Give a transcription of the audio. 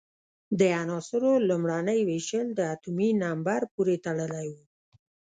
د عناصرو لومړنۍ وېشل د اتومي نمبر پورې تړلی وو.